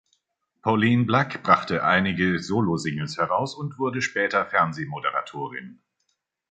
Pauline Black brachte einige Solo-Singles heraus und wurde später Fernsehmoderatorin.